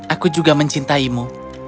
aku juga mencintaimu